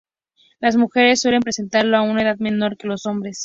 Las mujeres suelen presentarlo a una edad menor que los hombres.